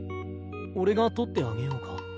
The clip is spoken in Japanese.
俺が取ってあげようか？